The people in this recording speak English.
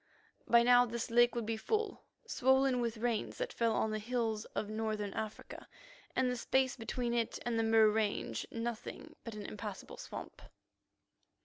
By now this lake would be full, swollen with rains that fell on the hills of Northern Africa, and the space between it and the Mur range nothing but an impassable swamp.